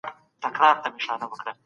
خپلي پيسې د باور وړ مالي ادارو کي وساتئ.